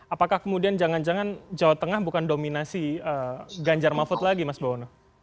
apakah kemudian jangan jangan jawa tengah bukan dominasi ganjar mahfud lagi mas bawono